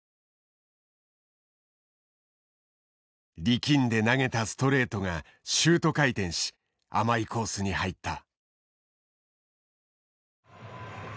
力んで投げたストレートがシュート回転し甘いコースに入った。